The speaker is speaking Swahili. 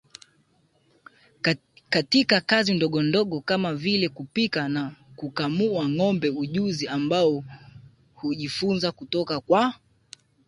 katika kazi ndogondogo kama vile kupika na kukamua ngombe ujuzi ambao hujifunza kutoka kwa